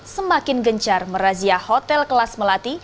semakin gencar merazia hotel kelas melati